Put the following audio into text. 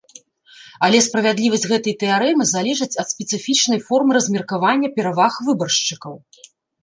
Але справядлівасць гэтай тэарэмы залежыць ад спецыфічнай формы размеркавання пераваг выбаршчыкаў.